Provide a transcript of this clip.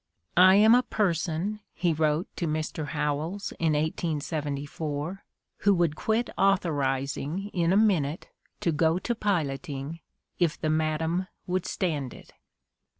" I am a person, '' he wrote to Mr. Howells in 1874, '' who would quit authorizing in a minute to go to piloting, if the Madam would stand it."